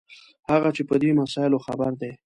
هغه چې په دې مسایلو خبر دي.